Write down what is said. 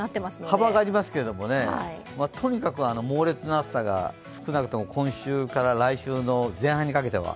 幅がありますけどね、とにかく猛烈な暑さが少なくとも今週から来週の前半にかけては。